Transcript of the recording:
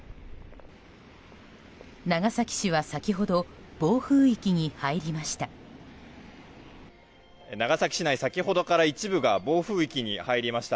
長崎市は先ほど暴風域に入りました。